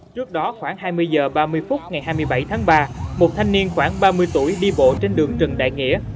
trước đó khoảng hai mươi h ba mươi phút ngày hai mươi bảy tháng ba một thanh niên khoảng ba mươi tuổi đi bộ trên đường trần đại nghĩa